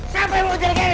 siapa yang mau jadi gary